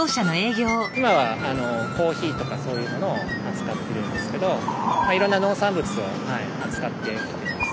今はコーヒーとかそういうものを扱ってるんですけどいろんな農産物を扱ってきてます。